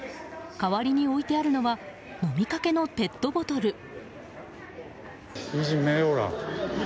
代わりに置いてあるのは飲みかけのペットボトル。